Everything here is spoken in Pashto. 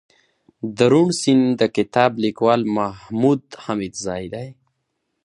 دروڼ سيند دکتاب ليکوال محمودحميدزى دئ